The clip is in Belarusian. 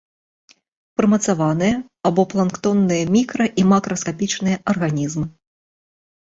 Прымацаваныя або планктонныя мікра- і макраскапічныя арганізмы.